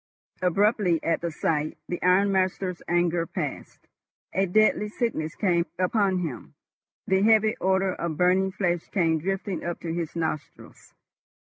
Abruptly, at the sight, the ironmaster's anger passed. A deadly sickness came upon him. The heavy odour of burning flesh came drifting up to his nostrils.